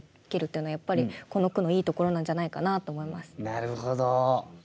なるほど。